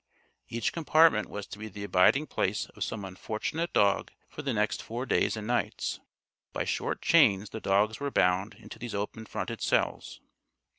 Each compartment was to be the abiding place of some unfortunate dog for the next four days and nights. By short chains the dogs were bound into these open fronted cells.